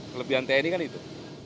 kelebihan tni kan itu